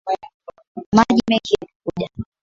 Maji mengi yalikuja